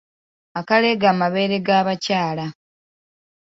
Akaleega amabeere g'abakyala.